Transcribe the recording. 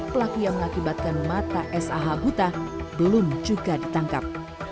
pelaku yang mengakibatkan mata sah buta belum juga ditangkap